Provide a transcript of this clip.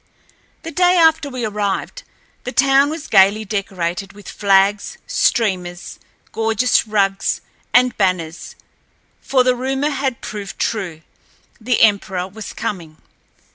The day after we arrived, the town was gaily decorated with flags, streamers, gorgeous rugs, and banners, for the rumor had proved true—the emperor was coming.